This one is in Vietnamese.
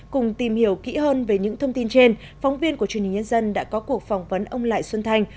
cùng tìm hiểu kỹ hơn về những thông tin trên phóng viên của truyền hình nhân dân đã có cuộc phỏng vấn ông lại xuân thành